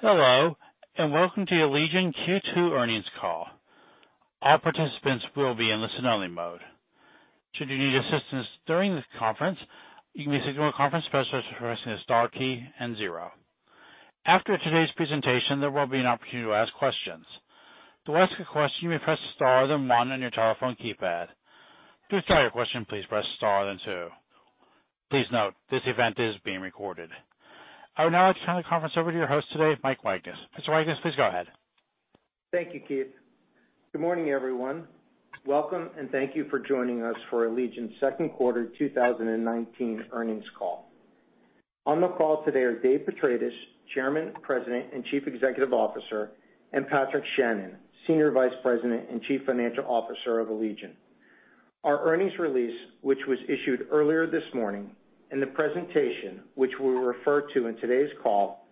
Hello, and welcome to the Allegion Q2 earnings call. All participants will be in listen-only mode. Should you need assistance during the conference, you may signal a conference specialist by pressing the star key and zero. After today's presentation, there will be an opportunity to ask questions. To ask a question, you may press star, then one on your telephone keypad. To withdraw your question, please press star, then two. Please note, this event is being recorded. I would now like to turn the conference over to your host today, Mike Wagnes. Mr. Wagnes, please go ahead. Thank you, Keith. Good morning, everyone. Welcome, and thank you for joining us for Allegion's second quarter 2019 earnings call. On the call today are Dave Petratis, Chairman, President, and Chief Executive Officer, and Patrick Shannon, Senior Vice President and Chief Financial Officer of Allegion. Our earnings release, which was issued earlier this morning, and the presentation, which we will refer to in today's call,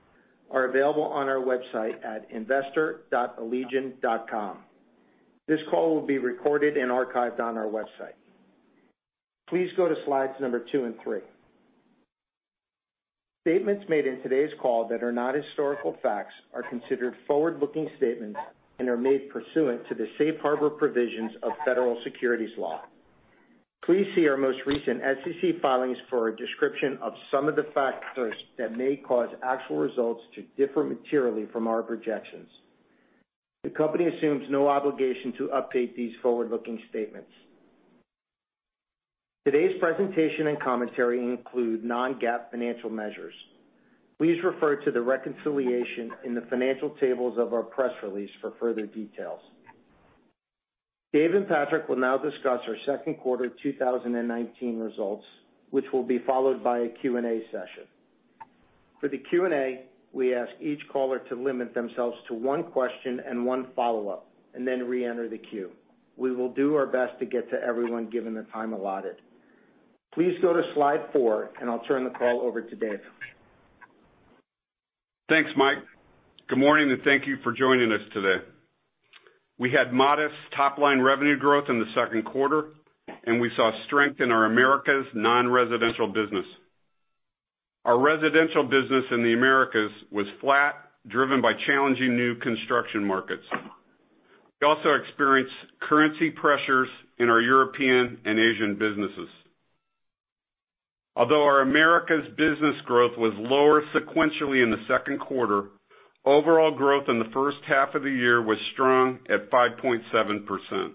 are available on our website at investor.allegion.com. This call will be recorded and archived on our website. Please go to slides number two and three. Statements made in today's call that are not historical facts are considered forward-looking statements and are made pursuant to the Safe Harbor provisions of Federal Securities law. Please see our most recent SEC filings for a description of some of the factors that may cause actual results to differ materially from our projections. The company assumes no obligation to update these forward-looking statements. Today's presentation and commentary include non-GAAP financial measures. Please refer to the reconciliation in the financial tables of our press release for further details. Dave and Patrick will now discuss our second quarter 2019 results, which will be followed by a Q&A session. For the Q&A, we ask each caller to limit themselves to one question and one follow-up, and then reenter the queue. We will do our best to get to everyone given the time allotted. Please go to slide four, and I'll turn the call over to Dave. Thanks, Mike. Good morning. Thank you for joining us today. We had modest top-line revenue growth in the second quarter. We saw strength in our Americas non-residential business. Our residential business in the Americas was flat, driven by challenging new construction markets. We also experienced currency pressures in our European and Asian businesses. Although our Americas business growth was lower sequentially in the second quarter, overall growth in the first half of the year was strong at 5.7%.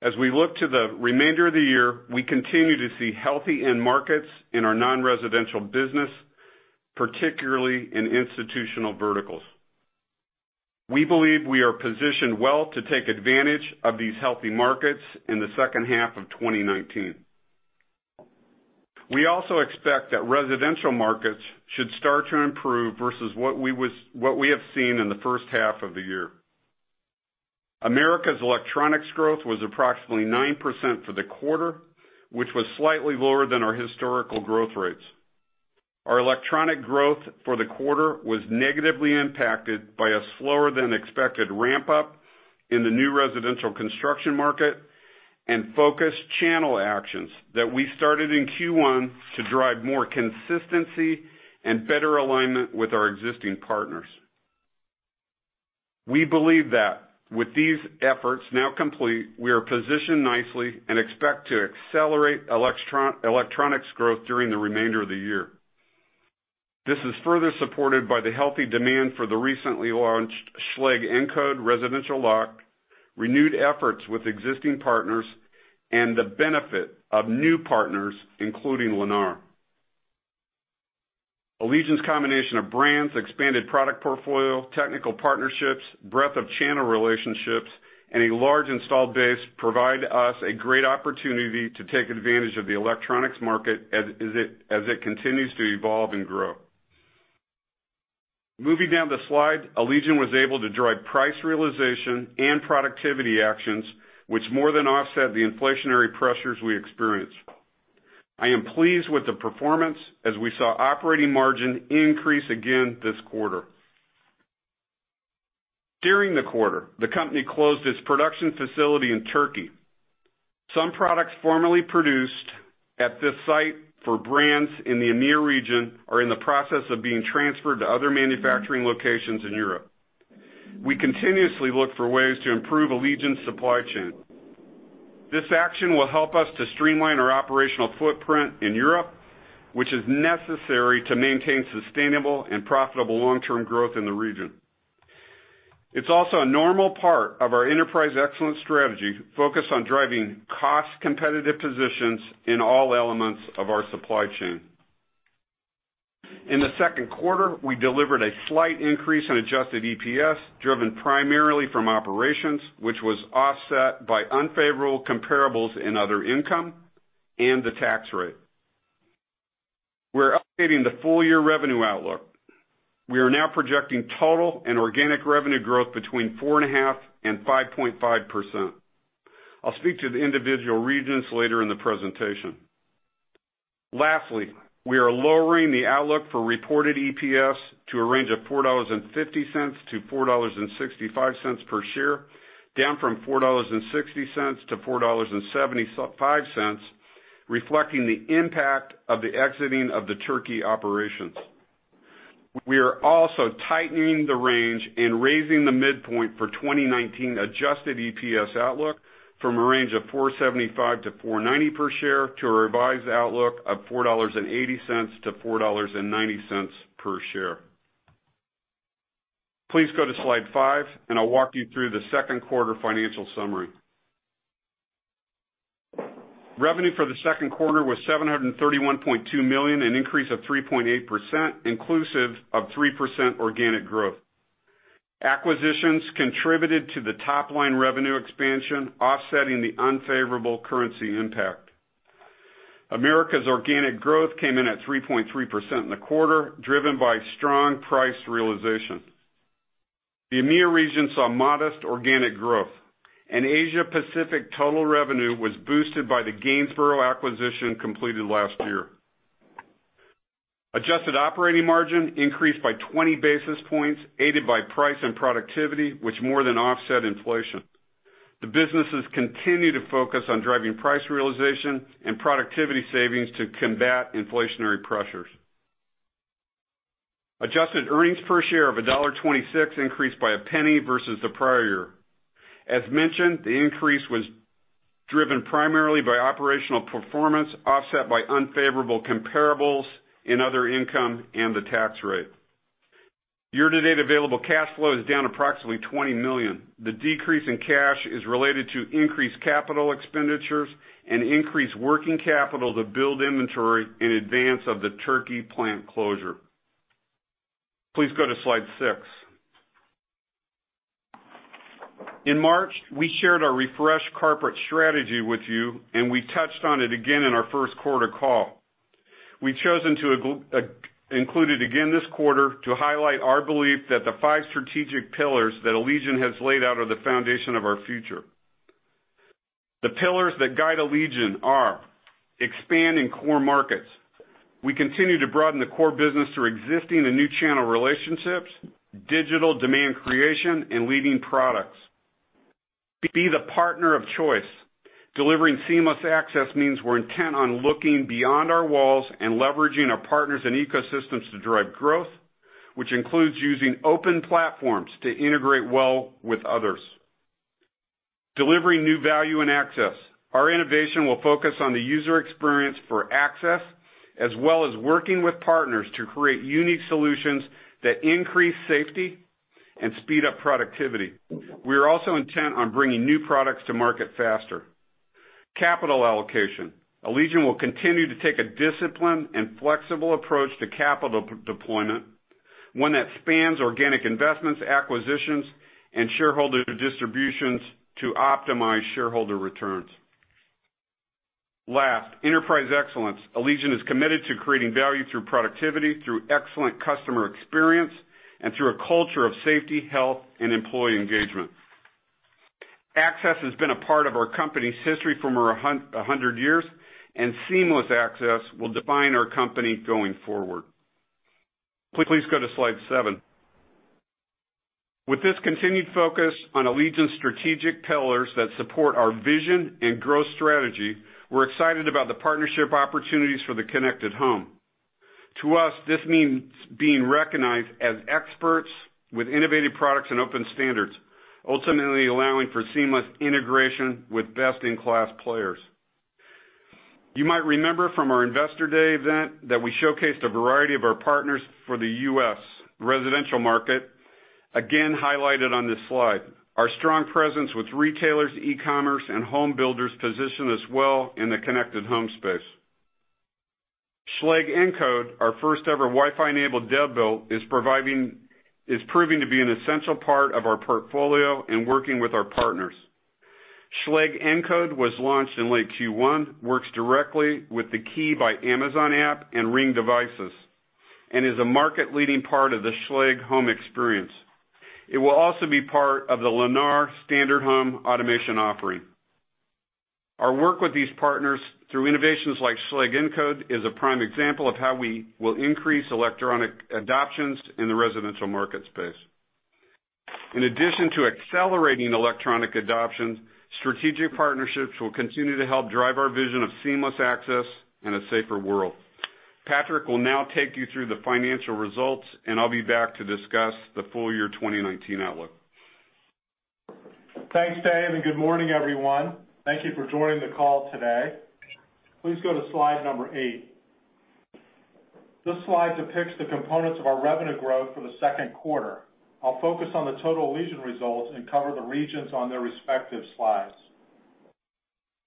As we look to the remainder of the year, we continue to see healthy end markets in our non-residential business, particularly in institutional verticals. We believe we are positioned well to take advantage of these healthy markets in the second half of 2019. We also expect that residential markets should start to improve versus what we have seen in the first half of the year. Americas electronics growth was approximately 9% for the quarter, which was slightly lower than our historical growth rates. Our electronic growth for the quarter was negatively impacted by a slower than expected ramp-up in the new residential construction market and focused channel actions that we started in Q1 to drive more consistency and better alignment with our existing partners. We believe that with these efforts now complete, we are positioned nicely and expect to accelerate electronics growth during the remainder of the year. This is further supported by the healthy demand for the recently launched Schlage Encode residential lock, renewed efforts with existing partners, and the benefit of new partners, including Lennar. Allegion's combination of brands, expanded product portfolio, technical partnerships, breadth of channel relationships, and a large installed base provide us a great opportunity to take advantage of the electronics market as it continues to evolve and grow. Moving down the slide, Allegion was able to drive price realization and productivity actions, which more than offset the inflationary pressures we experienced. I am pleased with the performance as we saw operating margin increase again this quarter. During the quarter, the company closed its production facility in Turkey. Some products formerly produced at this site for brands in the EMEA region are in the process of being transferred to other manufacturing locations in Europe. We continuously look for ways to improve Allegion's supply chain. This action will help us to streamline our operational footprint in Europe, which is necessary to maintain sustainable and profitable long-term growth in the region. It's also a normal part of our Enterprise Excellence Strategy focused on driving cost-competitive positions in all elements of our supply chain. In the second quarter, we delivered a slight increase in adjusted EPS, driven primarily from operations, which was offset by unfavorable comparables in other income and the tax rate. We're updating the full-year revenue outlook. We are now projecting total and organic revenue growth between 4.5% and 5.5%. I'll speak to the individual regions later in the presentation. We are lowering the outlook for reported EPS to a range of $4.50-$4.65 per share, down from $4.60-$4.75, reflecting the impact of the exiting of the Turkey operations. We are also tightening the range and raising the midpoint for 2019 adjusted EPS outlook from a range of $4.75-$4.90 per share to a revised outlook of $4.80-$4.90 per share. Please go to slide five. I'll walk you through the second quarter financial summary. Revenue for the second quarter was $731.2 million, an increase of 3.8%, inclusive of 3% organic growth. Acquisitions contributed to the top-line revenue expansion, offsetting the unfavorable currency impact. Americas organic growth came in at 3.3% in the quarter, driven by strong price realization. The EMEIA region saw modest organic growth, and Asia Pacific total revenue was boosted by the Gainsborough acquisition completed last year. Adjusted operating margin increased by 20 basis points, aided by price and productivity, which more than offset inflation. The businesses continue to focus on driving price realization and productivity savings to combat inflationary pressures. Adjusted earnings per share of $1.26 increased by a penny versus the prior year. As mentioned, the increase was driven primarily by operational performance, offset by unfavorable comparables in other income and the tax rate. Year-to-date available cash flow is down approximately $20 million. The decrease in cash is related to increased capital expenditures and increased working capital to build inventory in advance of the Turkey plant closure. Please go to slide six. In March, we shared our refreshed corporate strategy with you, and we touched on it again in our first quarter call. We've chosen to include it again this quarter to highlight our belief that the five strategic pillars that Allegion has laid out are the foundation of our future. The pillars that guide Allegion are: expand in core markets. We continue to broaden the core business through existing and new channel relationships, digital demand creation, and leading products. Be the partner of choice. Delivering seamless access means we're intent on looking beyond our walls and leveraging our partners and ecosystems to drive growth, which includes using open platforms to integrate well with others. Delivering new value and access. Our innovation will focus on the user experience for access, as well as working with partners to create unique solutions that increase safety and speed up productivity. We are also intent on bringing new products to market faster. Capital allocation. Allegion will continue to take a disciplined and flexible approach to capital deployment, one that spans organic investments, acquisitions, and shareholder distributions to optimize shareholder returns. Last, enterprise excellence. Allegion is committed to creating value through productivity, through excellent customer experience, and through a culture of safety, health, and employee engagement. Access has been a part of our company's history for over 100 years, and seamless access will define our company going forward. Please go to slide seven. With this continued focus on Allegion's strategic pillars that support our vision and growth strategy, we're excited about the partnership opportunities for the connected home. To us, this means being recognized as experts with innovative products and open standards, ultimately allowing for seamless integration with best-in-class players. You might remember from our Investor Day event that we showcased a variety of our partners for the U.S. residential market, again highlighted on this slide. Our strong presence with retailers, e-commerce, and home builders position us well in the connected home space. Schlage Encode, our first-ever Wi-Fi-enabled deadbolt, is proving to be an essential part of our portfolio in working with our partners. Schlage Encode was launched in late Q1, works directly with the Key by Amazon app and Ring devices, and is a market-leading part of the Schlage home experience. It will also be part of the Lennar standard home automation offering. Our work with these partners through innovations like Schlage Encode is a prime example of how we will increase electronic adoptions in the residential market space. In addition to accelerating electronic adoptions, strategic partnerships will continue to help drive our vision of seamless access in a safer world. Patrick will now take you through the financial results, and I'll be back to discuss the full year 2019 outlook. Thanks, Dave. Good morning, everyone. Thank you for joining the call today. Please go to slide number eight. This slide depicts the components of our revenue growth for the second quarter. I'll focus on the total Allegion results and cover the regions on their respective slides.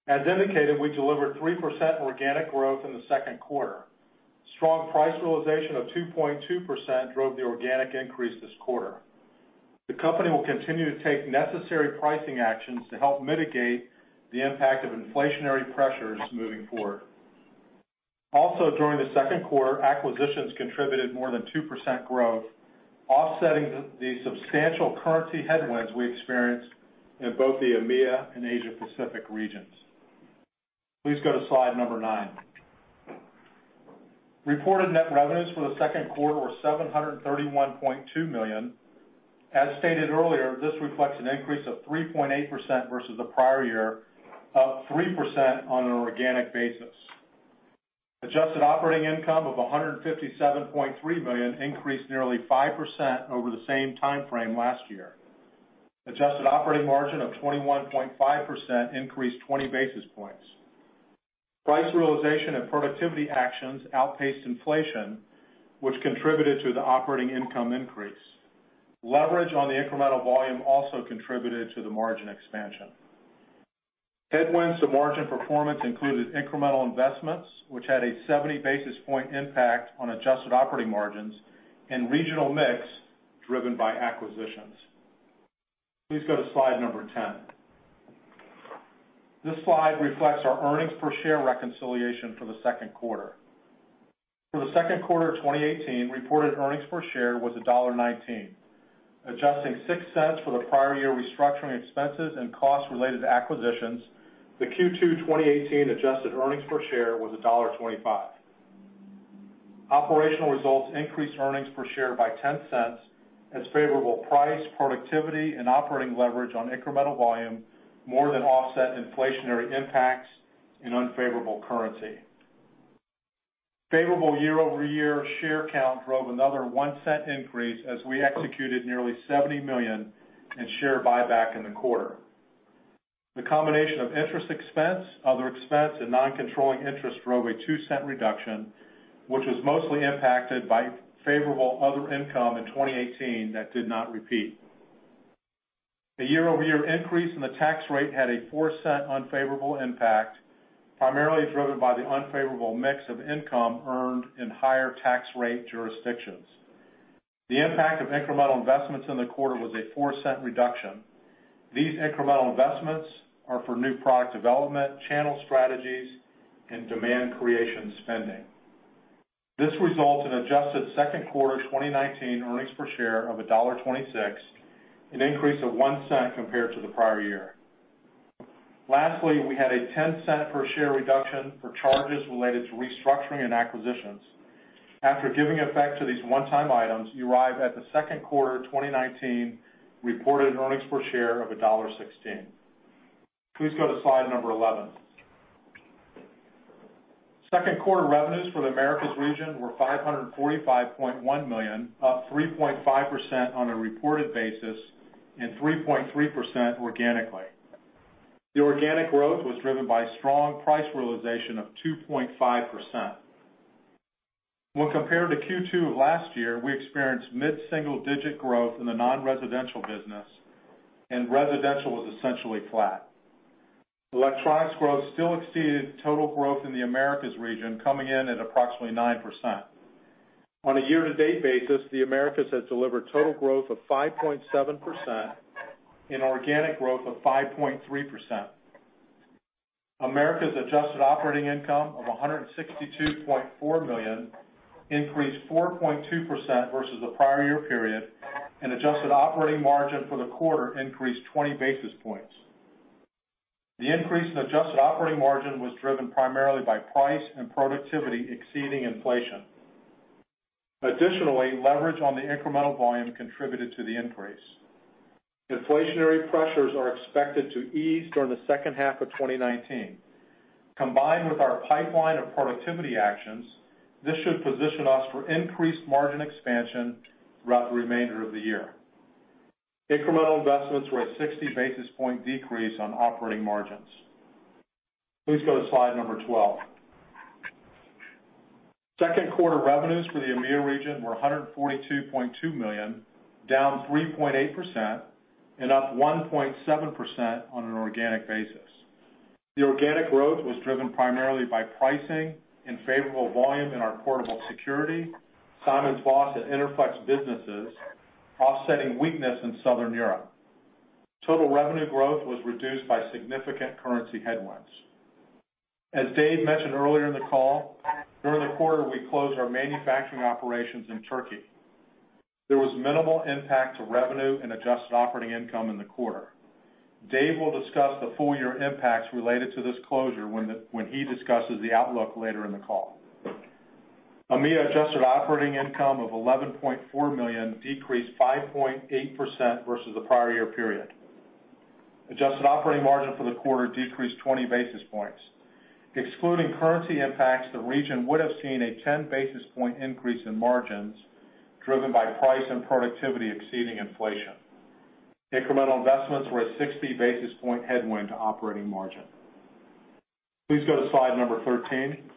As indicated, we delivered 3% organic growth in the second quarter. Strong price realization of 2.2% drove the organic increase this quarter. The company will continue to take necessary pricing actions to help mitigate the impact of inflationary pressures moving forward. Also, during the second quarter, acquisitions contributed more than 2% growth, offsetting the substantial currency headwinds we experienced in both the EMEIA and Asia Pacific regions. Please go to slide number nine. Reported net revenues for the second quarter were $731.2 million. As stated earlier, this reflects an increase of 3.8% versus the prior year, up 3% on an organic basis. Adjusted operating income of $157.3 million increased nearly 5% over the same timeframe last year. Adjusted operating margin of 21.5% increased 20 basis points. Price realization and productivity actions outpaced inflation, which contributed to the operating income increase. Leverage on the incremental volume also contributed to the margin expansion. Headwinds to margin performance included incremental investments, which had a 70 basis point impact on adjusted operating margins and regional mix driven by acquisitions. Please go to slide number 10. This slide reflects our earnings per share reconciliation for the second quarter. For the second quarter of 2018, reported earnings per share was $1.19. Adjusting $0.06 for the prior year restructuring expenses and costs related to acquisitions, the Q2 2018 adjusted earnings per share was $1.25. Operational results increased earnings per share by $0.10 as favorable price, productivity, and operating leverage on incremental volume more than offset inflationary impacts and unfavorable currency. Favorable year-over-year share count drove another $0.01 increase as we executed nearly $70 million in share buyback in the quarter. The combination of interest expense, other expense and non-controlling interest drove a $0.02 reduction, which was mostly impacted by favorable other income in 2018 that did not repeat. A year-over-year increase in the tax rate had a $0.04 unfavorable impact, primarily driven by the unfavorable mix of income earned in higher tax rate jurisdictions. The impact of incremental investments in the quarter was a $0.04 reduction. These incremental investments are for new product development, channel strategies, and demand creation spending. This results in adjusted second quarter 2019 earnings per share of $1.26, an increase of $0.01 compared to the prior year. Lastly, we had a $0.10 per share reduction for charges related to restructuring and acquisitions. After giving effect to these one-time items, we arrive at the second quarter 2019 reported earnings per share of $1.16. Please go to slide number 11. Second quarter revenues for the Americas region were $545.1 million, up 3.5% on a reported basis and 3.3% organically. The organic growth was driven by strong price realization of 2.5%. When compared to Q2 of last year, we experienced mid-single-digit growth in the non-residential business and residential was essentially flat. Electronics growth still exceeded total growth in the Americas region, coming in at approximately 9%. On a year-to-date basis, the Americas has delivered total growth of 5.7% and organic growth of 5.3%. Americas adjusted operating income of $162.4 million increased 4.2% versus the prior year period, and adjusted operating margin for the quarter increased 20 basis points. The increase in adjusted operating margin was driven primarily by price and productivity exceeding inflation. Additionally, leverage on the incremental volume contributed to the increase. Inflationary pressures are expected to ease during the second half of 2019. Combined with our pipeline of productivity actions, this should position us for increased margin expansion throughout the remainder of the year. Incremental investments were a 60 basis point decrease on operating margins. Please go to slide number 12. Second quarter revenues for the EMEA region were $142.2 million, down 3.8% and up 1.7% on an organic basis. The organic growth was driven primarily by pricing and favorable volume in our portable security, SimonsVoss and Interflex businesses offsetting weakness in Southern Europe. Total revenue growth was reduced by significant currency headwinds. As Dave mentioned earlier in the call, during the quarter, we closed our manufacturing operations in Turkey. There was minimal impact to revenue and adjusted operating income in the quarter. Dave will discuss the full year impacts related to this closure when he discusses the outlook later in the call. EMEA adjusted operating income of $11.4 million decreased 5.8% versus the prior year period. Adjusted operating margin for the quarter decreased 20 basis points. Excluding currency impacts, the region would have seen a 10 basis point increase in margins, driven by price and productivity exceeding inflation. Incremental investments were a 60 basis point headwind to operating margin. Please go to slide number 13.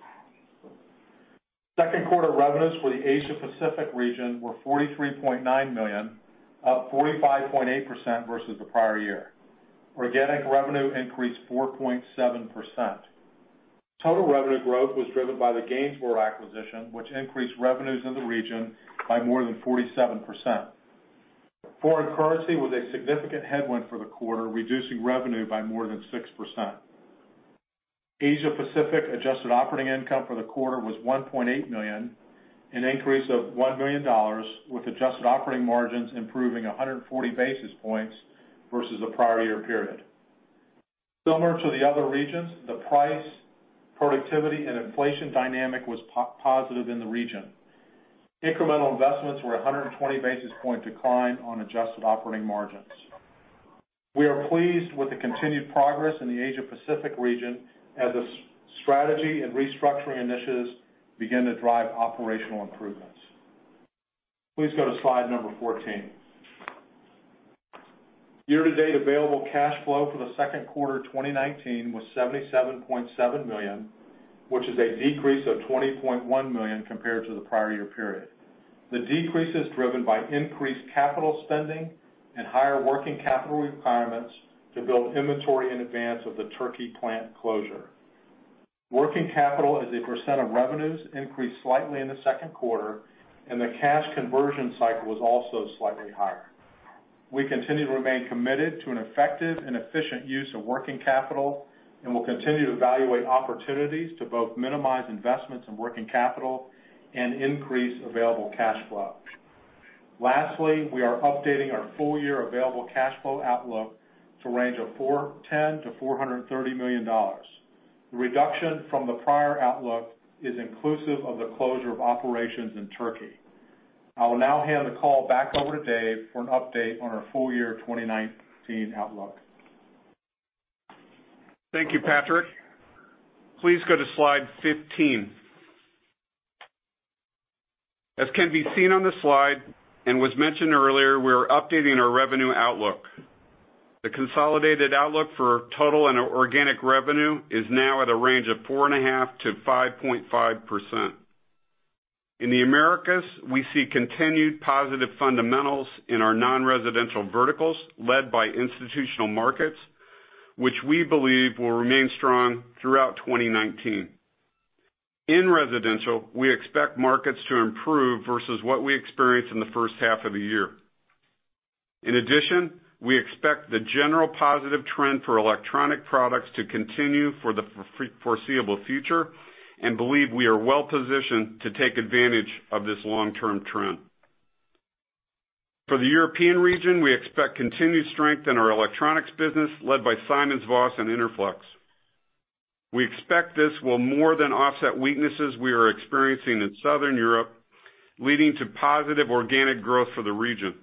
Second quarter revenues for the Asia-Pacific region were $43.9 million, up 45.8% versus the prior year. Organic revenue increased 4.7%. Total revenue growth was driven by the Gainsborough acquisition, which increased revenues in the region by more than 47%. Foreign currency was a significant headwind for the quarter, reducing revenue by more than 6%. Asia-Pacific adjusted operating income for the quarter was $1.8 million, an increase of $1 million with adjusted operating margins improving 140 basis points versus the prior year period. Similar to the other regions, the price, productivity, and inflation dynamic was positive in the region. Incremental investments were 120 basis point decline on adjusted operating margins. We are pleased with the continued progress in the Asia Pacific region, as the strategy and restructuring initiatives begin to drive operational improvements. Please go to slide number 14. Year-to-date available cash flow for the second quarter 2019 was $77.7 million, which is a decrease of $20.1 million compared to the prior year period. The decrease is driven by increased capital spending and higher working capital requirements to build inventory in advance of the Turkey plant closure. Working capital as a percent of revenues increased slightly in the second quarter, and the cash conversion cycle was also slightly higher. We continue to remain committed to an effective and efficient use of working capital, and will continue to evaluate opportunities to both minimize investments in working capital and increase available cash flow. Lastly, we are updating our full-year available cash flow outlook to range of $410 million-$430 million. The reduction from the prior outlook is inclusive of the closure of operations in Turkey. I will now hand the call back over to Dave for an update on our full-year 2019 outlook. Thank you, Patrick. Please go to slide 15. As can be seen on the slide, and was mentioned earlier, we are updating our revenue outlook. The consolidated outlook for total and organic revenue is now at a range of 4.5%-5.5%. In the Americas, we see continued positive fundamentals in our non-residential verticals, led by institutional markets, which we believe will remain strong throughout 2019. In residential, we expect markets to improve versus what we experienced in the first half of the year. In addition, we expect the general positive trend for electronic products to continue for the foreseeable future, and believe we are well-positioned to take advantage of this long-term trend. For the European region, we expect continued strength in our electronics business, led by SimonsVoss and Interflex. We expect this will more than offset weaknesses we are experiencing in Southern Europe, leading to positive organic growth for the region.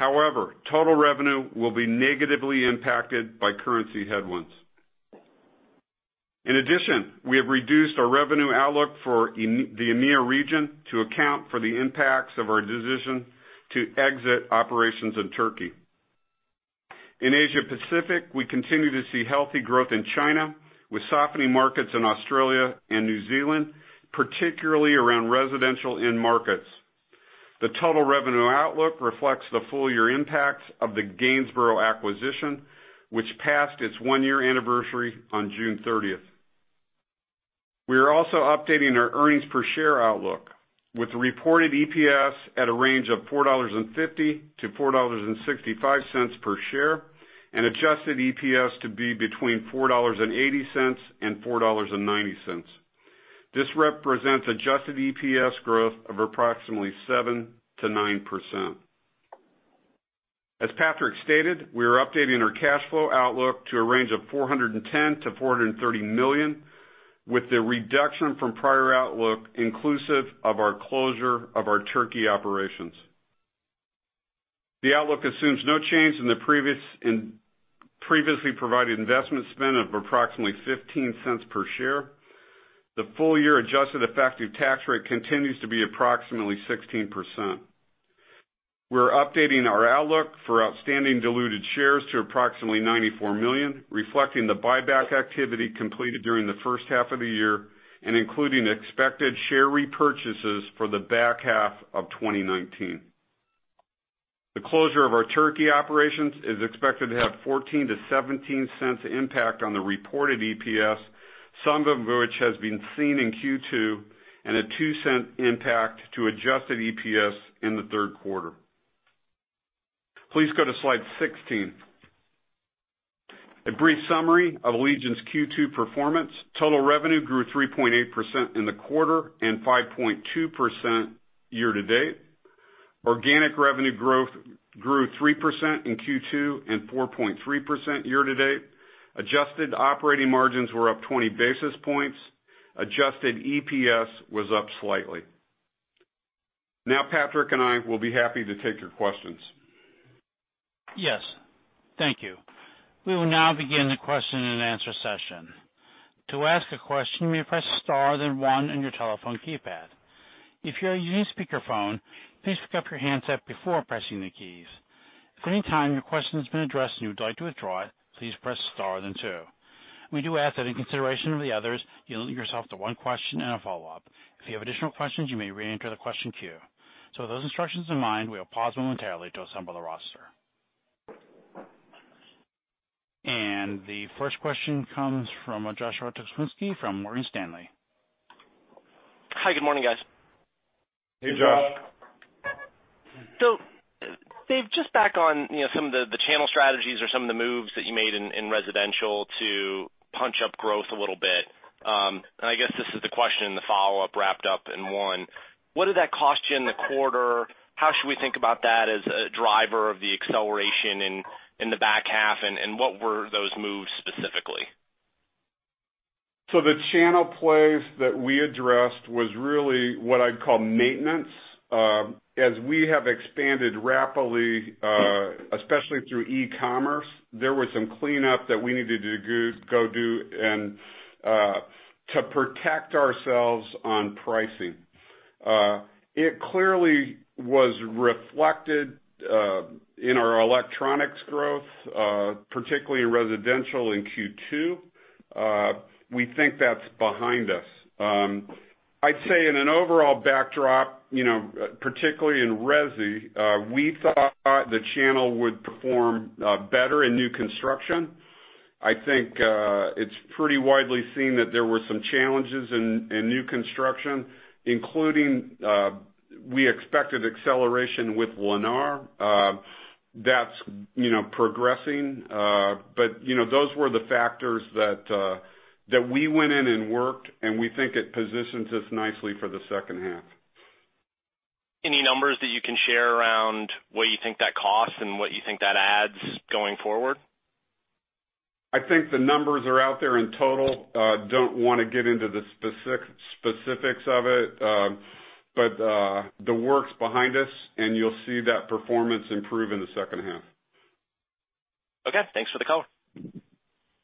Total revenue will be negatively impacted by currency headwinds. We have reduced our revenue outlook for the EMEA region to account for the impacts of our decision to exit operations in Turkey. Asia Pacific, we continue to see healthy growth in China, with softening markets in Australia and New Zealand, particularly around residential end markets. The total revenue outlook reflects the full-year impacts of the Gainsborough acquisition, which passed its one-year anniversary on June 30th. We are also updating our earnings per share outlook with reported EPS at a range of $4.50-$4.65 per share, and adjusted EPS to be between $4.80 and $4.90. This represents adjusted EPS growth of approximately 7%-9%. As Patrick stated, we are updating our cash flow outlook to a range of $410 million-$430 million, with the reduction from prior outlook inclusive of our closure of our Turkey operations. The outlook assumes no change in the previously provided investment spend of approximately $0.15 per share. The full-year adjusted effective tax rate continues to be approximately 16%. We're updating our outlook for outstanding diluted shares to approximately 94 million, reflecting the buyback activity completed during the first half of the year, and including expected share repurchases for the back half of 2019. The closure of our Turkey operations is expected to have $0.14-$0.17 impact on the reported EPS, some of which has been seen in Q2, and a $0.02 impact to adjusted EPS in the third quarter. Please go to slide 16. A brief summary of Allegion's Q2 performance. Total revenue grew 3.8% in the quarter, and 5.2% year-to-date. Organic revenue growth grew 3% in Q2 and 4.3% year-to-date. Adjusted operating margins were up 20 basis points. Adjusted EPS was up slightly. Now Patrick and I will be happy to take your questions. Yes. Thank you. We will now begin the question and answer session. To ask a question, you may press star, then one on your telephone keypad. If you are using speakerphone, please pick up your handset before pressing the keys. If any time your question has been addressed and you would like to withdraw it, please press star then two. We do ask that in consideration of the others, you limit yourself to one question and a follow-up. If you have additional questions, you may reenter the question queue. With those instructions in mind, we will pause momentarily to assemble the roster. The first question comes from Joshua Tekulsky from Morgan Stanley. Hi, good morning, guys. Hey, Josh. Dave, just back on some of the channel strategies or some of the moves that you made in residential. growth a little bit. I guess this is the question in the follow-up wrapped up in one. What did that cost you in the quarter? How should we think about that as a driver of the acceleration in the back half, and what were those moves specifically? The channel plays that we addressed was really what I'd call maintenance. As we have expanded rapidly, especially through e-commerce, there was some cleanup that we needed to go do and to protect ourselves on pricing. It clearly was reflected in our electronics growth, particularly in residential in Q2. We think that's behind us. I'd say in an overall backdrop, particularly in resi, we thought the channel would perform better in new construction. I think it's pretty widely seen that there were some challenges in new construction, including we expected acceleration with Lennar. That's progressing. Those were the factors that we went in and worked, and we think it positions us nicely for the second half. Any numbers that you can share around what you think that costs and what you think that adds going forward? I think the numbers are out there in total. Don't want to get into the specifics of it. The work's behind us, and you'll see that performance improve in the second half. Okay, thanks for the color.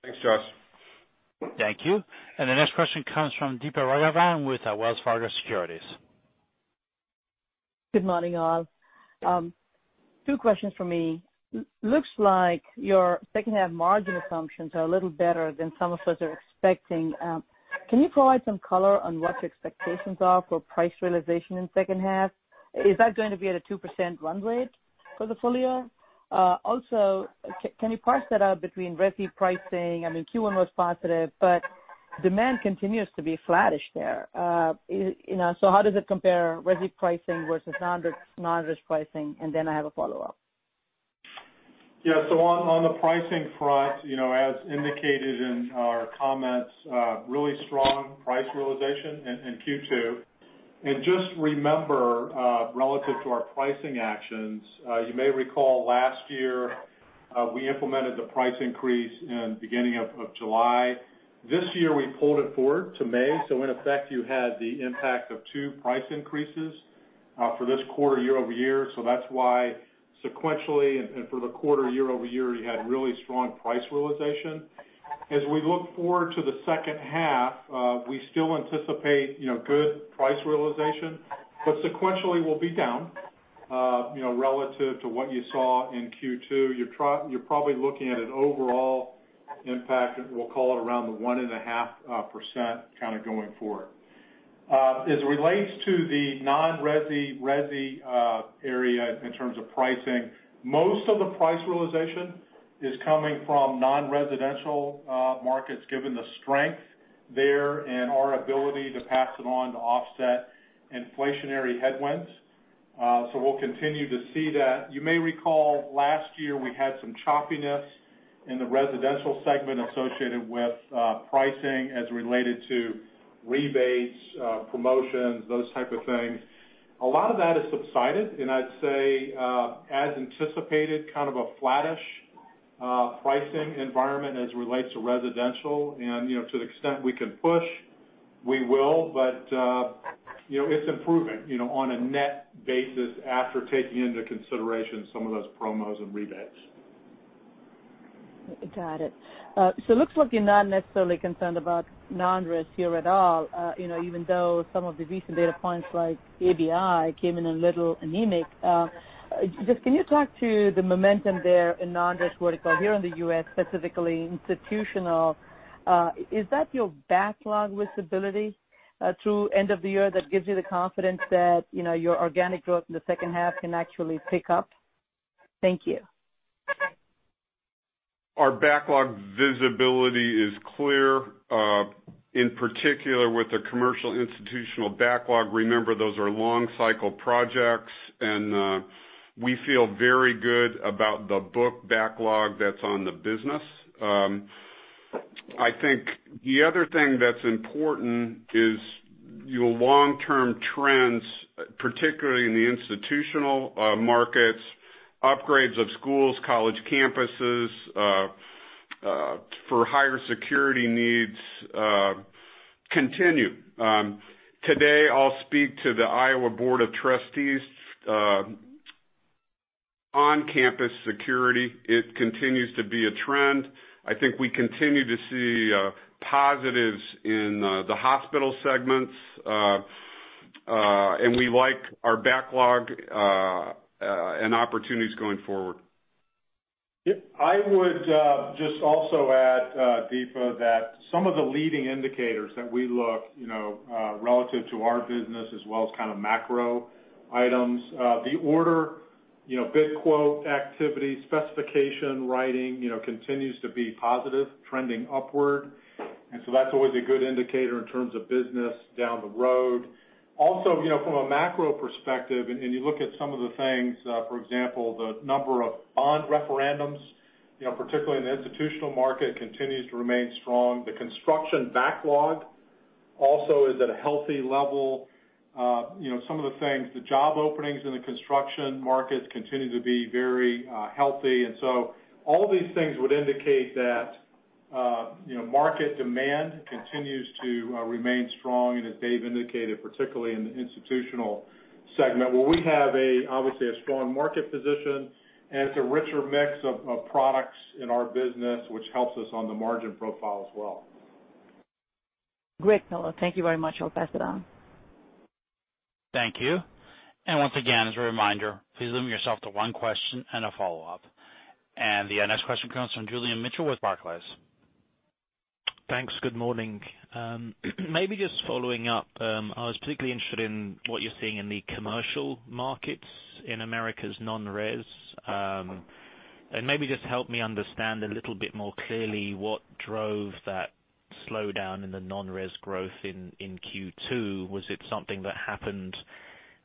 Thanks, Josh. Thank you. The next question comes from Deepa Raghavan with Wells Fargo Securities. Good morning, all. Two questions from me. Looks like your second half margin assumptions are a little better than some of us are expecting. Can you provide some color on what your expectations are for price realization in second half? Is that going to be at a 2% run rate for the full year? Can you parse that out between resi pricing? I mean, Q1 was positive, demand continues to be flattish there. How does it compare resi pricing versus non-resi pricing? I have a follow-up. On the pricing front, as indicated in our comments, really strong price realization in Q2. Just remember, relative to our pricing actions, you may recall last year, we implemented the price increase in beginning of July. This year, we pulled it forward to May, in effect, you had the impact of two price increases for this quarter year-over-year. That's why sequentially and for the quarter year-over-year, you had really strong price realization. As we look forward to the second half, we still anticipate good price realization, sequentially, we'll be down relative to what you saw in Q2. You're probably looking at an overall impact, we'll call it around the 1.5% going forward. As it relates to the non-resi/resi area in terms of pricing, most of the price realization is coming from non-residential markets, given the strength there and our ability to pass it on to offset inflationary headwinds. We'll continue to see that. You may recall last year we had some choppiness in the residential segment associated with pricing as related to rebates, promotions, those type of things. A lot of that has subsided, and I'd say, as anticipated, kind of a flattish pricing environment as it relates to residential. To the extent we can push, we will. It's improving on a net basis after taking into consideration some of those promos and rebates. Got it. It looks like you're not necessarily concerned about non-res here at all even though some of the recent data points like ABI came in a little anemic. Just can you talk to the momentum there in non-res vertical here in the U.S., specifically institutional? Is that your backlog visibility through end of the year that gives you the confidence that your organic growth in the second half can actually pick up? Thank you. Our backlog visibility is clear, in particular with the commercial institutional backlog. Remember, those are long cycle projects, and we feel very good about the book backlog that's on the business. I think the other thing that's important is your long-term trends, particularly in the institutional markets, upgrades of schools, college campuses for higher security needs continue. Today, I'll speak to the Iowa Board of Regents on campus security. It continues to be a trend. I think we continue to see positives in the hospital segments, and we like our backlog and opportunities going forward. I would just also add, Deepa, that some of the leading indicators that we look relative to our business as well as kind of macro items, the order, bid quote activity, specification writing continues to be positive, trending upward. That's always a good indicator in terms of business down the road. Also from a macro perspective, you look at some of the things for example, the number of bond referendums particularly in the institutional market continues to remain strong. The construction backlog Also is at a healthy level. Some of the things, the job openings in the construction markets continue to be very healthy. All these things would indicate that market demand continues to remain strong, and as Dave indicated, particularly in the institutional segment, where we have obviously a strong market position and it's a richer mix of products in our business, which helps us on the margin profile as well. Great, [color]. Thank you very much. I'll pass it on. Thank you. Once again, as a reminder, please limit yourself to one question and a follow-up. The next question comes from Julian Mitchell with Barclays. Thanks. Good morning. Maybe just following up, I was particularly interested in what you're seeing in the commercial markets in Americas non-res. Maybe just help me understand a little bit more clearly what drove that slowdown in the non-res growth in Q2. Was it something that happened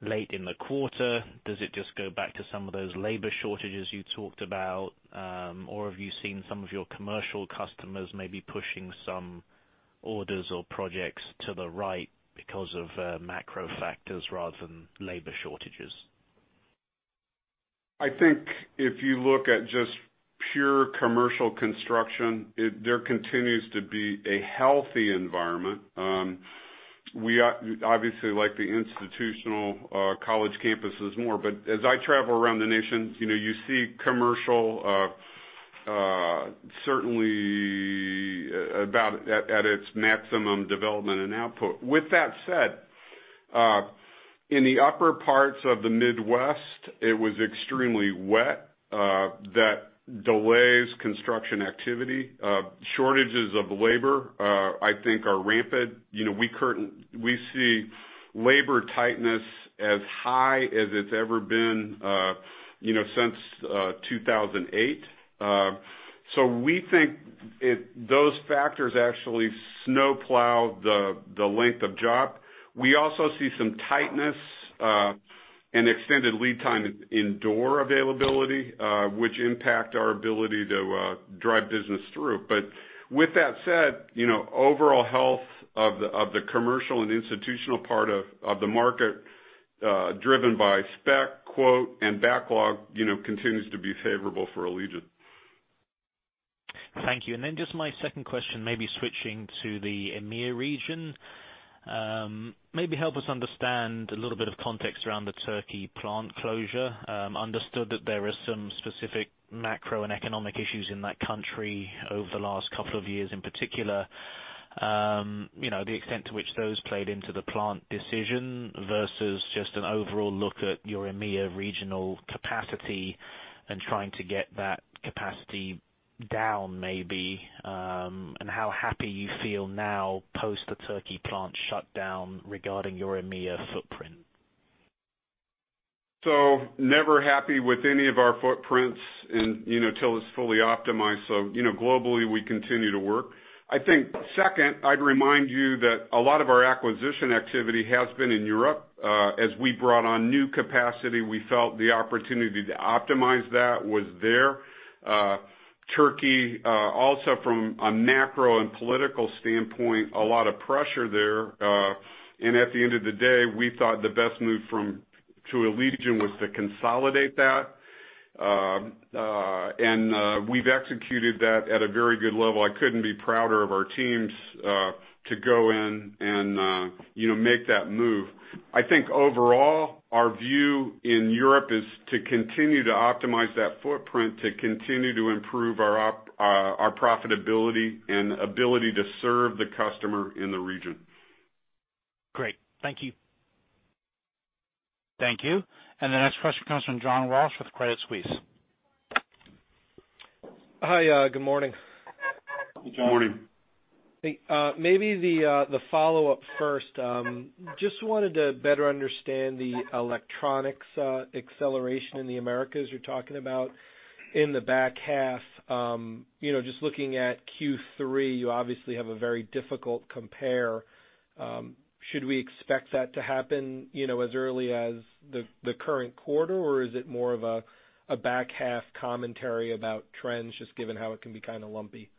late in the quarter? Does it just go back to some of those labor shortages you talked about? Have you seen some of your commercial customers maybe pushing some orders or projects to the right because of macro factors rather than labor shortages? I think if you look at just pure commercial construction, there continues to be a healthy environment. We obviously like the institutional college campuses more. As I travel around the nation, you see commercial certainly about at its maximum development and output. With that said, in the upper parts of the Midwest, it was extremely wet. That delays construction activity. Shortages of labor, I think are rampant. We see labor tightness as high as it's ever been since 2008. We think those factors actually snowplow the length of drop. We also see some tightness and extended lead time in door availability, which impact our ability to drive business through. With that said, overall health of the commercial and institutional part of the market, driven by spec quote and backlog continues to be favorable for Allegion. Thank you. Just my second question, maybe switching to the EMEA region. Maybe help us understand a little bit of context around the Turkey plant closure. Understood that there are some specific macro and economic issues in that country over the last couple of years in particular. The extent to which those played into the plant decision versus just an overall look at your EMEA regional capacity and trying to get that capacity down maybe, and how happy you feel now post the Turkey plant shutdown regarding your EMEA footprint? Never happy with any of our footprints and till it's fully optimized. Globally, we continue to work. I think second, I'd remind you that a lot of our acquisition activity has been in Europe. As we brought on new capacity, we felt the opportunity to optimize that was there. Turkey, also from a macro and political standpoint, a lot of pressure there. At the end of the day, we thought the best move to Allegion was to consolidate that. We've executed that at a very good level. I couldn't be prouder of our teams to go in and make that move. Overall, our view in Europe is to continue to optimize that footprint, to continue to improve our profitability and ability to serve the customer in the region. Great. Thank you. Thank you. The next question comes from John Ross with Credit Suisse. Hi. Good morning. Good morning. Maybe the follow-up first. Just wanted to better understand the electronics acceleration in the Americas you're talking about in the back half. Just looking at Q3, you obviously have a very difficult compare. Should we expect that to happen as early as the current quarter? Or is it more of a back half commentary about trends, just given how it can be kind of lumpy?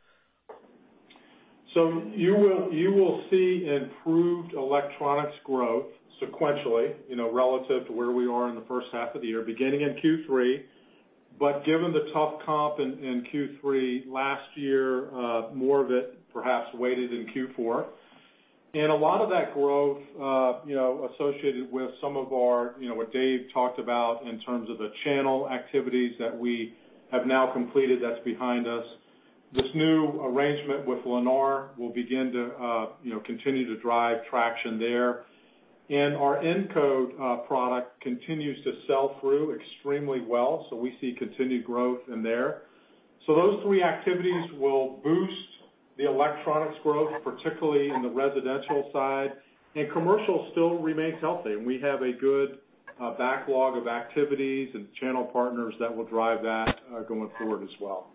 You will see improved electronics growth sequentially, relative to where we are in the first half of the year, beginning in Q3. Given the tough comp in Q3 last year, more of it perhaps weighted in Q4. A lot of that growth associated with some of what Dave talked about in terms of the channel activities that we have now completed, that's behind us. This new arrangement with Lennar will begin to continue to drive traction there. Our encode product continues to sell through extremely well. We see continued growth in there. Those three activities will boost the electronics growth, particularly in the residential side. Commercial still remains healthy, and we have a good backlog of activities and channel partners that will drive that going forward as well.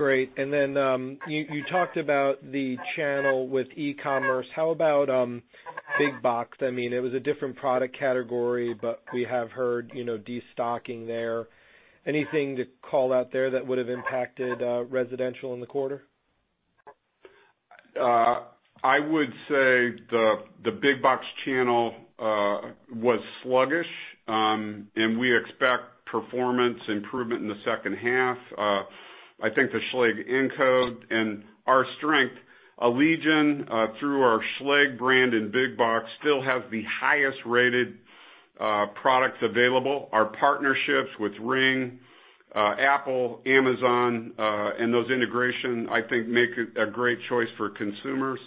Great. You talked about the channel with e-commerce. How about big box? It was a different product category, but we have heard destocking there. Anything to call out there that would have impacted residential in the quarter? I would say the big box channel was sluggish, and we expect performance improvement in the second half. I think the Schlage Encode and our strength, Allegion, through our Schlage brand in big box, still have the highest-rated products available. Our partnerships with Ring, Apple, Amazon, and those integration, I think make it a great choice for consumers.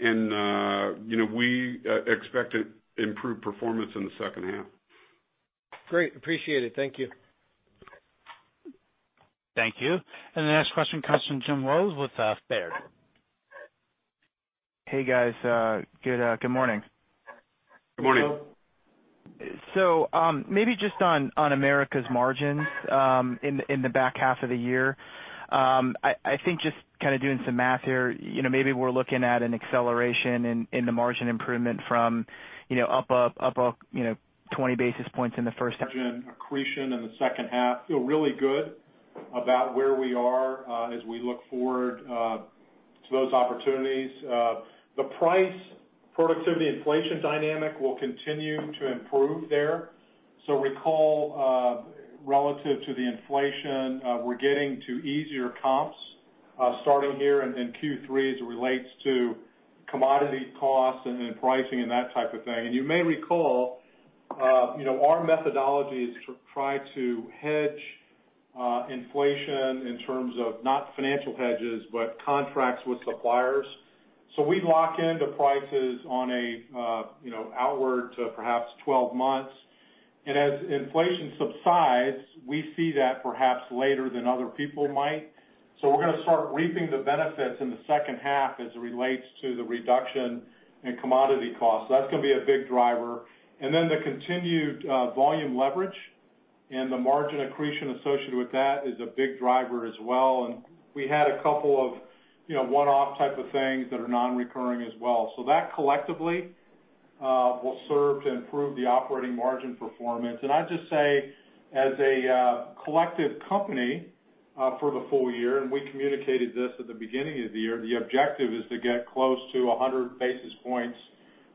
We expect improved performance in the second half. Great. Appreciate it. Thank you. Thank you. The next question comes from Jim Rose with Baird. Hey, guys. Good morning. Good morning. Maybe just on Americas' margins in the back half of the year. I think just doing some math here, maybe we're looking at an acceleration in the margin improvement from up 20 basis points in the first half- Margin accretion in the second half. Feel really good about where we are as we look forward to those opportunities. The price productivity inflation dynamic will continue to improve there. Recall, relative to the inflation, we're getting to easier comps, starting here in Q3 as it relates to commodity costs and pricing and that type of thing. You may recall, our methodology is to try to hedge inflation in terms of not financial hedges, but contracts with suppliers. We lock into prices onward to perhaps 12 months. As inflation subsides, we see that perhaps later than other people might. We're going to start reaping the benefits in the second half as it relates to the reduction in commodity costs. That's going to be a big driver. The continued volume leverage and the margin accretion associated with that is a big driver as well. We had a couple of one-off type of things that are non-recurring as well. That collectively will serve to improve the operating margin performance. I'd just say, as a collective company for the full year, and we communicated this at the beginning of the year, the objective is to get close to 100 basis points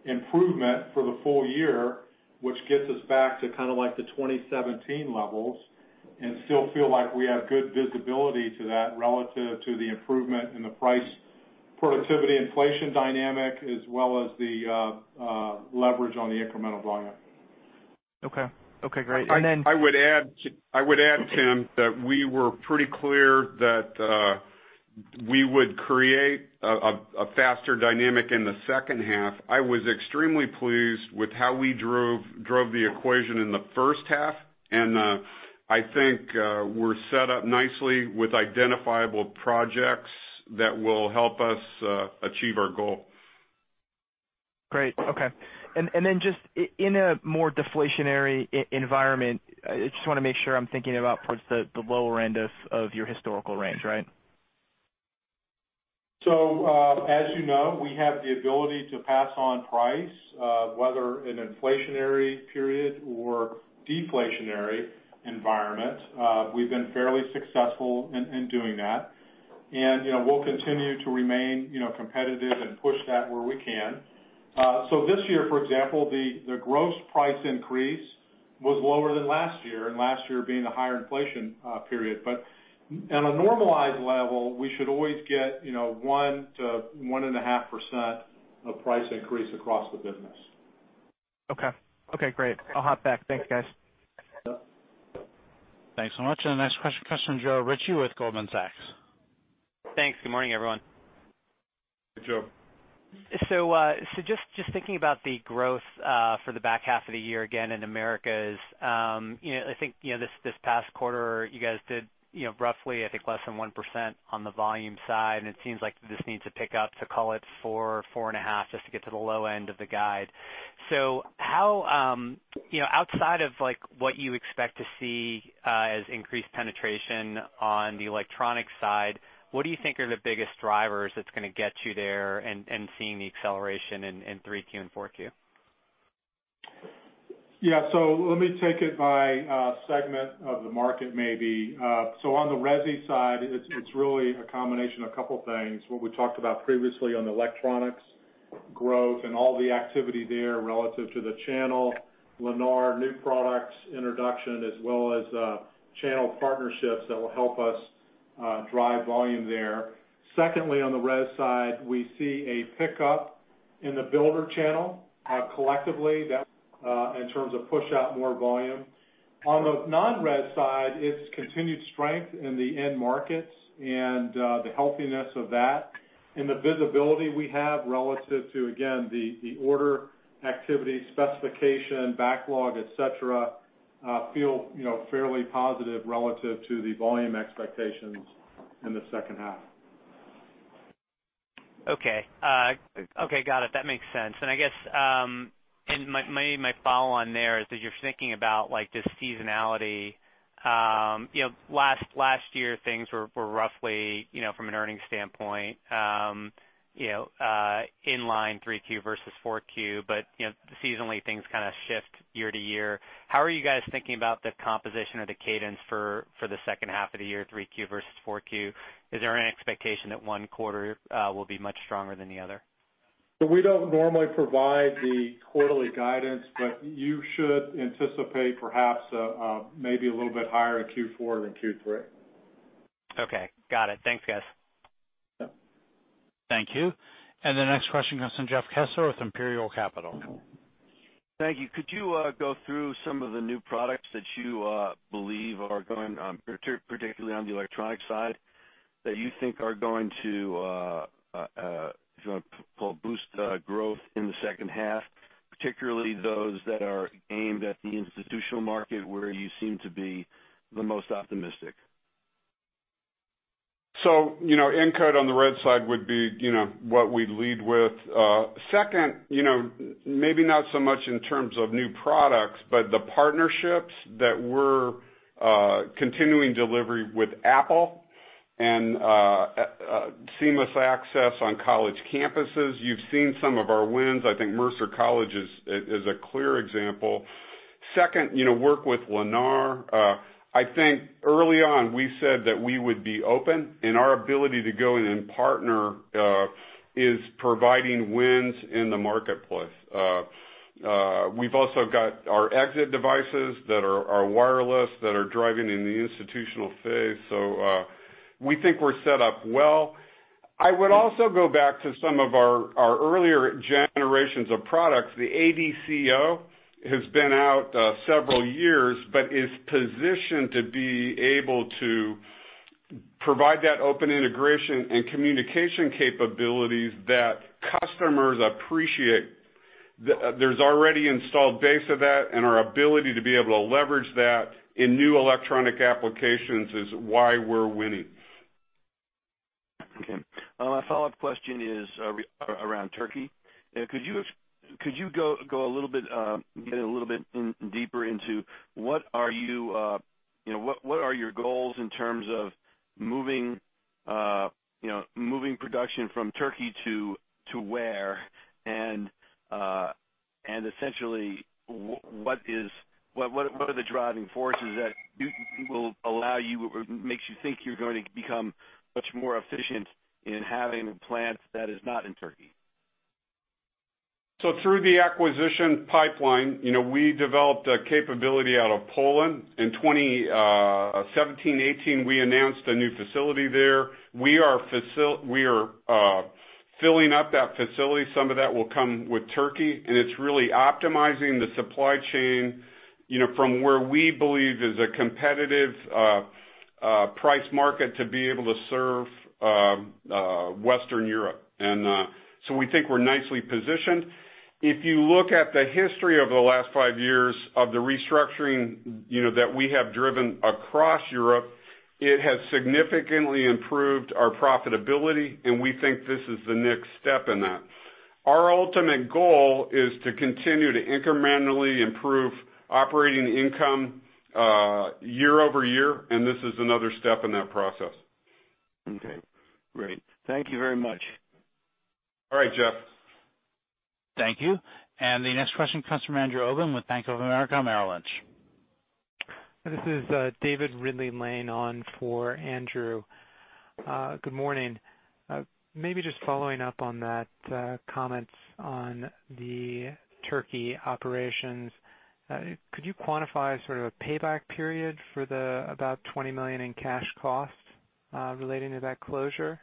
improvement for the full year, which gets us back to kind of like the 2017 levels. Still feel like we have good visibility to that relative to the improvement in the price productivity inflation dynamic, as well as the leverage on the incremental volume. Okay. Okay, great. I would add, Jim, that we were pretty clear that we would create a faster dynamic in the second half. I was extremely pleased with how we drove the equation in the first half, and I think we're set up nicely with identifiable projects that will help us achieve our goal. Great. Okay. Just in a more deflationary environment, I just want to make sure I'm thinking about towards the lower end of your historical range, right? As you know, we have the ability to pass on price, whether an inflationary period or deflationary environment. We've been fairly successful in doing that. We'll continue to remain competitive and push that where we can. This year, for example, the gross price increase was lower than last year, and last year being a higher inflation period. At a normalized level, we should always get 1% to 1.5% of price increase across the business. Okay. Okay, great. I'll hop back. Thanks, guys. Thanks so much. The next question comes from Joe Ritchie with Goldman Sachs. Thanks. Good morning, everyone. Hey, Joe. Just thinking about the growth for the back half of the year, again, in Americas. I think, this past quarter, you guys did roughly, I think, less than 1% on the volume side, and it seems like this needs to pick up to call it 4%, 4.5% just to get to the low end of the guide. Outside of what you expect to see as increased penetration on the electronic side, what do you think are the biggest drivers that's going to get you there and seeing the acceleration in 3Q and 4Q? Yeah. Let me take it by segment of the market maybe. On the resi side, it's really a combination of a couple of things. What we talked about previously on the electronics growth and all the activity there relative to the channel, Lennar new products introduction, as well as channel partnerships that will help us drive volume there. Secondly, on the res side, we see a pickup in the builder channel collectively that in terms of push out more volume. On the non-res side, it's continued strength in the end markets and the healthiness of that and the visibility we have relative to, again, the order activity, specification, backlog, et cetera, feel fairly positive relative to the volume expectations in the second half. Okay. Okay, got it. That makes sense. I guess, and my follow-on there is as you're thinking about this seasonality, last year things were roughly, from an earnings standpoint, in line 3Q versus 4Q, but seasonally things kind of shift year-to-year. How are you guys thinking about the composition of the cadence for the second half of the year, 3Q versus 4Q? Is there an expectation that one quarter will be much stronger than the other? We don't normally provide the quarterly guidance, but you should anticipate perhaps maybe a little bit higher in Q4 than Q3. Okay. Got it. Thanks, guys. Yeah. Thank you. The next question comes from Jeff Kessler with Imperial Capital. Thank you. Could you go through some of the new products that you believe, particularly on the electronic side, that you think are going to boost growth in the second half, particularly those that are aimed at the institutional market, where you seem to be the most optimistic? Encode on the red side would be what we'd lead with. Second, maybe not so much in terms of new products, but the partnerships that we're continuing delivery with Apple and seamless access on college campuses. You've seen some of our wins. I think Mercer University is a clear example. Second, work with Lennar. I think early on, we said that we would be open, and our ability to go in and partner is providing wins in the marketplace. We've also got our exit devices that are wireless, that are driving in the institutional phase. We think we're set up well. I would also go back to some of our earlier generations of products. The AD-CO has been out several years but is positioned to be able to provide that open integration and communication capabilities that customers appreciate. There's already installed base of that, and our ability to be able to leverage that in new electronic applications is why we're winning. Okay. My follow-up question is around Turkey. Could you get a little bit deeper into what are your goals in terms of moving production from Turkey to where, essentially, what are the driving forces that makes you think you're going to become much more efficient in having a plant that is not in Turkey? Through the acquisition pipeline, we developed a capability out of Poland. In 2017, 2018, we announced a new facility there. We are filling up that facility. Some of that will come with Turkey, and it's really optimizing the supply chain from where we believe is a competitive price market to be able to serve Western Europe. We think we're nicely positioned. If you look at the history of the last five years of the restructuring that we have driven across Europe, it has significantly improved our profitability, and we think this is the next step in that. Our ultimate goal is to continue to incrementally improve operating income year-over-year, and this is another step in that process. Okay, great. Thank you very much. All right, Jeff. Thank you. The next question comes from Andrew Obin with Bank of America Merrill Lynch. This is David Ridley-Lane on for Andrew. Good morning. Maybe just following up on that comments on the Turkey operations. Could you quantify sort of a payback period for the about $20 million in cash cost relating to that closure?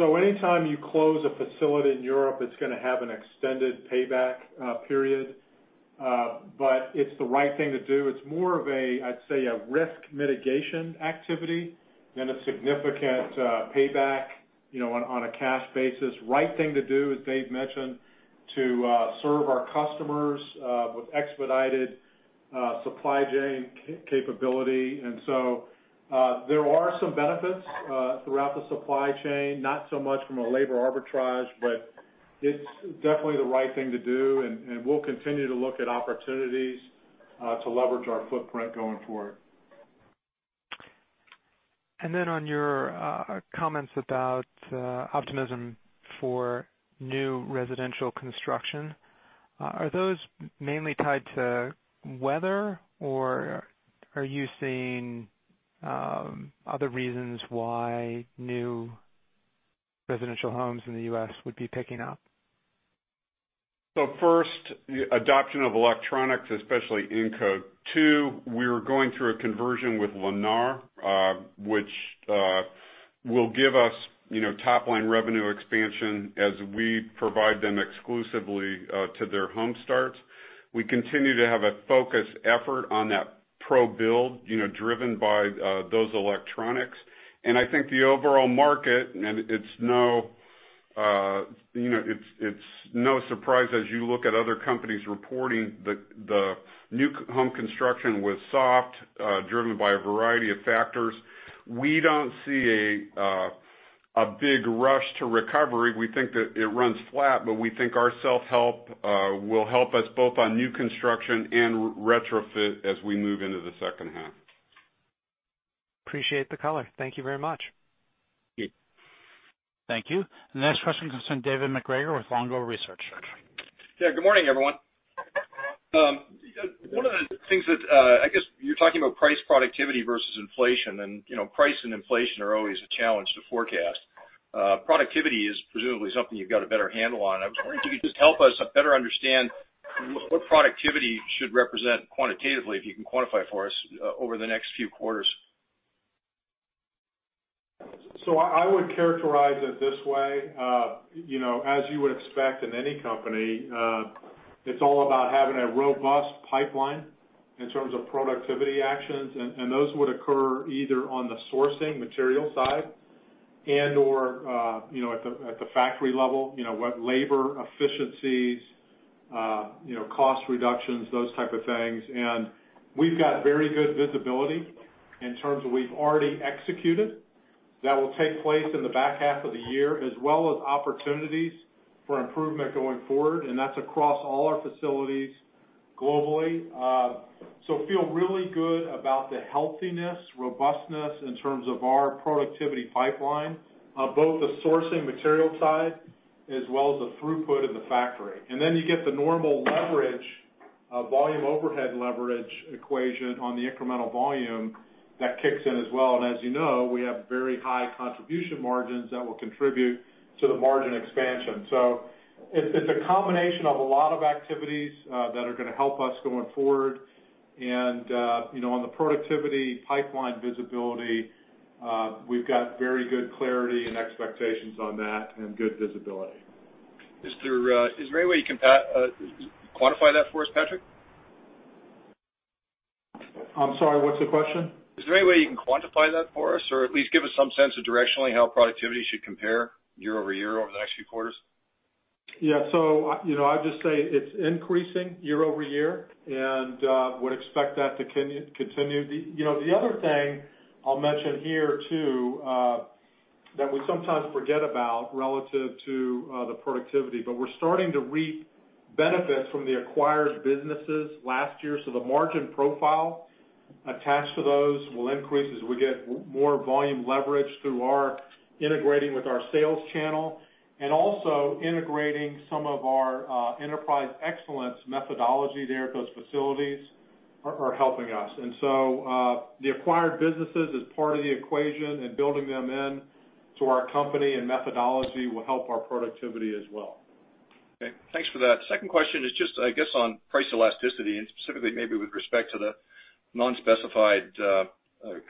Anytime you close a facility in Europe, it's going to have an extended payback period. It's the right thing to do. It's more of, I'd say, a risk mitigation activity than a significant payback on a cash basis. Right thing to do, as Dave mentioned, to serve our customers with expedited supply chain capability. There are some benefits throughout the supply chain, not so much from a labor arbitrage, but it's definitely the right thing to do, and we'll continue to look at opportunities to leverage our footprint going forward. Then on your comments about optimism for new residential construction, are those mainly tied to weather, or are you seeing other reasons why new residential homes in the U.S. would be picking up? First, adoption of electronics, especially Encode 2. We're going through a conversion with Lennar, which will give us top-line revenue expansion as we provide them exclusively to their home-starts. We continue to have a focused effort on that pro build, driven by those electronics. I think the overall market, and it's no surprise as you look at other companies reporting the new home construction was soft, driven by a variety of factors. We don't see a big rush to recovery. We think that it runs flat, but we think our self-help will help us both on new construction and retrofit as we move into the second half. Appreciate the color. Thank you very much. Yeah. Thank you. The next question comes from David MacGregor with Longbow Research. Yeah, good morning, everyone. One of the things that, I guess you're talking about price productivity versus inflation. Price and inflation are always a challenge to forecast. Productivity is presumably something you've got a better handle on. I was wondering if you could just help us better understand what productivity should represent quantitatively, if you can quantify for us, over the next few quarters. I would characterize it this way. As you would expect in any company, it's all about having a robust pipeline in terms of productivity actions, and those would occur either on the sourcing material side and/or at the factory level, labor efficiencies, cost reductions, those type of things. We've got very good visibility in terms of we've already executed. That will take place in the back half of the year, as well as opportunities for improvement going forward, and that's across all our facilities globally. Feel really good about the healthiness, robustness in terms of our productivity pipeline, both the sourcing material side as well as the throughput in the factory. Then you get the normal leverage, volume overhead leverage equation on the incremental volume that kicks in as well. As you know, we have very high contribution margins that will contribute to the margin expansion. It's a combination of a lot of activities that are going to help us going forward. On the productivity pipeline visibility, we've got very good clarity and expectations on that and good visibility. Is there any way you can quantify that for us, Patrick? I'm sorry, what's the question? Is there any way you can quantify that for us? At least give us some sense of directionally how productivity should compare year-over-year over the next few quarters? Yeah. I'll just say it's increasing year-over-year, and would expect that to continue. The other thing I'll mention here too, that we sometimes forget about relative to the productivity, but we're starting to reap benefits from the acquired businesses last year. The margin profile attached to those will increase as we get more volume leverage through our integrating with our sales channel. Integrating some of our enterprise excellence methodology there at those facilities are helping us. The acquired businesses is part of the equation, and building them in to our company and methodology will help our productivity as well. Okay, thanks for that. Second question is just, I guess, on price elasticity and specifically maybe with respect to the non-specified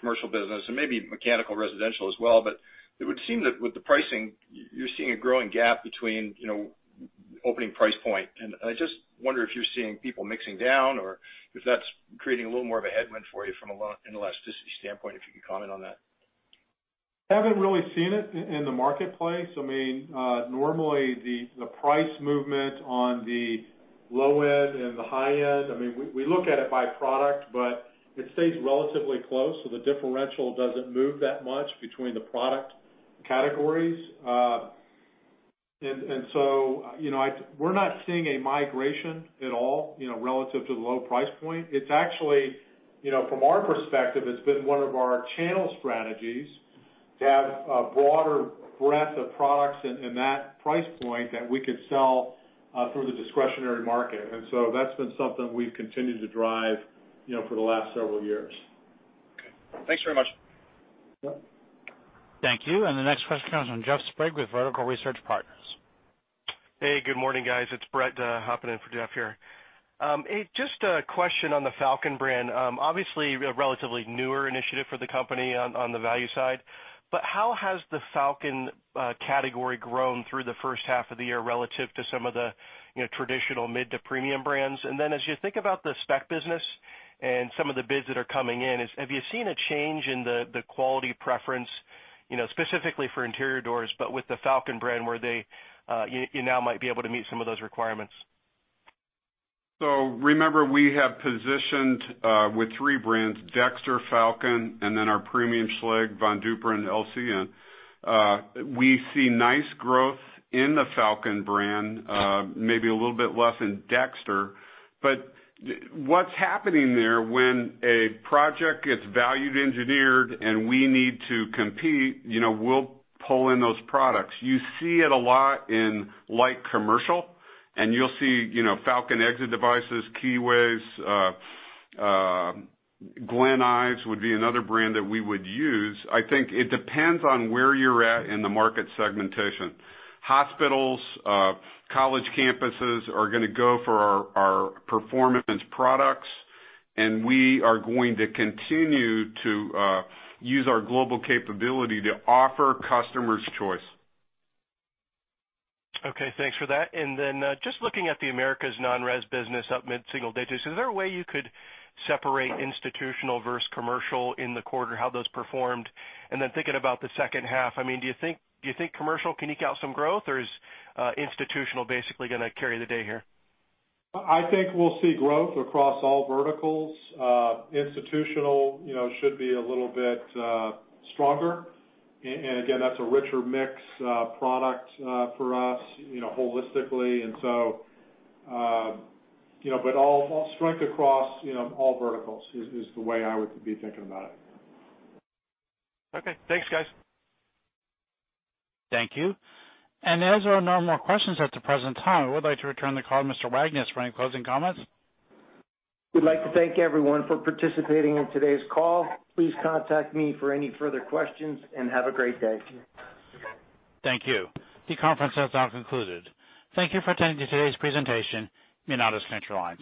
commercial business and maybe mechanical residential as well, but it would seem that with the pricing, you're seeing a growing gap between opening price point. I just wonder if you're seeing people mixing down or if that's creating a little more of a headwind for you from an elasticity standpoint, if you could comment on that. Haven't really seen it in the marketplace. Normally, the price movement on the low end and the high end, we look at it by product, but it stays relatively close, so the differential doesn't move that much between the product categories. We're not seeing a migration at all relative to the low price point. From our perspective, it's been one of our channel strategies to have a broader breadth of products in that price point that we could sell through the discretionary market. That's been something we've continued to drive for the last several years. Okay. Thanks very much. Yeah. Thank you. The next question comes from Jeff Sprague with Vertical Research Partners. Hey, good morning, guys. It's Brett hopping in for Jeff here. Just a question on the Falcon brand. Obviously, a relatively newer initiative for the company on the value side, but how has the Falcon category grown through the first half of the year relative to some of the traditional mid to premium brands? As you think about the spec business and some of the bids that are coming in, have you seen a change in the quality preference, specifically for interior doors, but with the Falcon brand, where you now might be able to meet some of those requirements? Remember, we have positioned with three brands, Dexter, Falcon, and then our premium Schlage, Von Duprin, and LCN. We see nice growth in the Falcon brand, maybe a little bit less in Dexter. What's happening there, when a project gets valued engineered and we need to compete, we'll pull in those products. You see it a lot in light commercial, and you'll see Falcon exit devices, key ways. Glynn-Johnson would be another brand that we would use. I think it depends on where you're at in the market segmentation. Hospitals, college campuses are going to go for our performance products, and we are going to continue to use our global capability to offer customers choice. Okay, thanks for that. Then just looking at the Americas non-res business up mid-single digits, is there a way you could separate institutional versus commercial in the quarter, how those performed? Then thinking about the second half, do you think commercial can eke out some growth, or is institutional basically going to carry the day here? I think we'll see growth across all verticals. Institutional should be a little bit stronger. Again, that's a richer mix product for us holistically. All strength across all verticals is the way I would be thinking about it. Okay, thanks, guys. Thank you. As there are no more questions at the present time, I would like to return the call to Mr. Wagnes for any closing comments. We'd like to thank everyone for participating in today's call. Please contact me for any further questions, and have a great day. Thank you. The conference has now concluded. Thank you for attending today's presentation. You may now disconnect your lines.